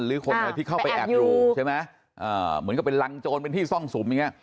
หรือคนที่เข้าไปแอบอยู่เหมือนกับเป็นรังโจรเป็นที่ซ่องสุมอย่างนี้